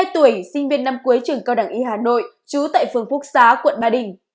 hai mươi tuổi sinh viên năm cuối trường cao đẳng y hà nội trú tại phường phúc xá quận ba đình